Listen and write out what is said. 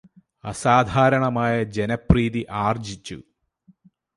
അസാധാരണമായ ജനപ്രീതി ആര്ജ്ജിച്ചു